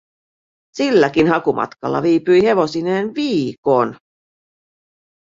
Silläkin hakumatkalla viipyi hevosineen viikon.